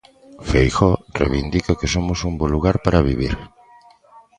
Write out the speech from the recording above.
Feijóo reivindica que somos un bo lugar para vivir.